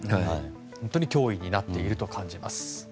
本当に脅威になっていると感じます。